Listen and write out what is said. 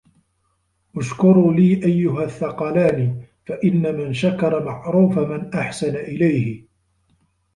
اُشْكُرُوا لِي أَيُّهَا الثَّقَلَانِ فَإِنَّ مَنْ شَكَرَ مَعْرُوفَ مَنْ أَحْسَنَ إلَيْهِ